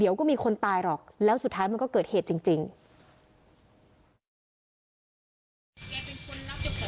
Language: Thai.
พี่จะเห็นมันเดินออกมาวิ่งเข้าห้องเลยลบประตูอยู่คนเดียวกลัวเนอะ